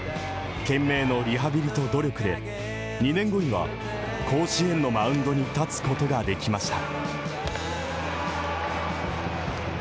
懸命のリハビリと努力で２年後には甲子園のマウンドに立つことができました。